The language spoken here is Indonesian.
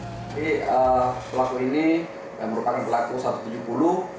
pelaku ini yang merupakan pelaku satu ratus tujuh puluh